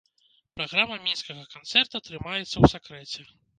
Праграма мінскага канцэрта трымаецца ў сакрэце.